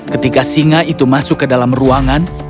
ketika singa itu masuk ke dalam ruangan